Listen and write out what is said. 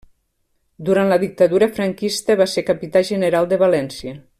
Durant la Dictadura franquista va ser capità general de València.